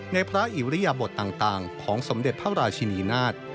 พระอิริยบทต่างของสมเด็จพระราชินีนาฏ